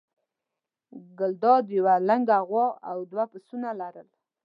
ګلداد یوه لنګه غوا او دوه پسونه لرل.